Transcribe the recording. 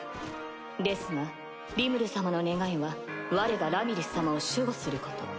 ですがリムル様の願いはわれがラミリス様を守護すること。